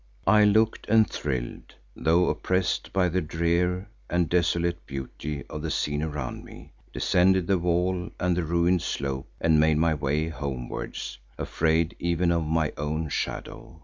I looked and thrilled, though oppressed by the drear and desolate beauty of the scene around me, descended the wall and the ruined slope and made my way homewards, afraid even of my own shadow.